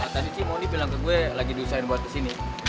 tadi moni bilang ke gue lagi diusahain buat kesini